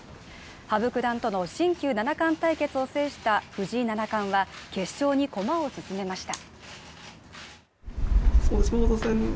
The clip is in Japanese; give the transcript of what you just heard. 羽生九段との新旧七冠対決を制した藤井七冠は決勝に駒を進めました。